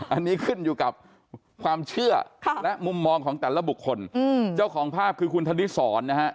อันนี้ขึ้นอยู่กับความเชื่อและมุมมองของแต่ละบุคคลเจ้าของภาพคือคุณธนิสรนะฮะ